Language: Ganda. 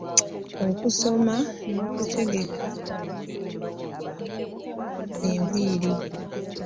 Okusoma n'okutegeka engeri y’okukolamu enviiri.